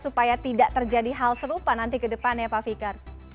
supaya tidak terjadi hal serupa nanti ke depannya pak fikar